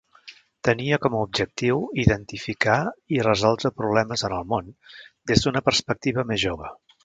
Tenia com a objectiu identificar i resoldre problemes en el món des d'una perspectiva més jove.